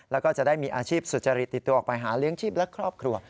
แล้วก็จะได้มีอาชีพสุจริตติดตัวออกไปหาเลี้ยงชีพและครอบครัว